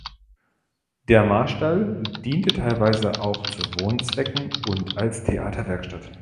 Der Marstall diente teilweise auch zu Wohnzwecken und als Theaterwerkstatt.